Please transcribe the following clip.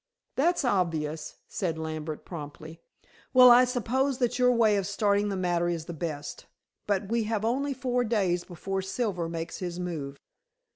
"That's obvious," said Lambert promptly. "Well, I suppose that your way of starting the matter is the best. But we have only four days before Silver makes his move."